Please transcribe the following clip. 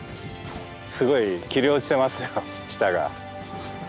すごい切れ落ちてますよ下が。